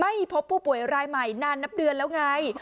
ไม่พบผู้ป่วยรายใหม่นานนับเดือนแล้วไง